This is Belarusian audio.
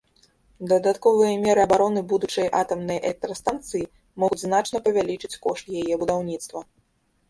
Дадатковыя меры абароны будучай атамнай электрастанцыі могуць значна павялічыць кошт яе будаўніцтва.